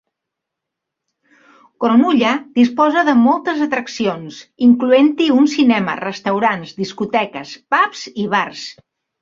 Cronulla disposa de moltes atraccions, incloent-hi un cinema, restaurants, discoteques, pubs i bars.